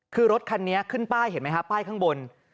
คือรถคันนี้ขึ้นป้ายเห็นไหมครับป้ายข้างบน